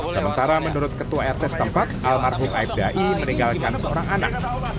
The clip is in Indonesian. sementara menurut ketua rt setempat almarhum aibda i meninggalkan seorang anak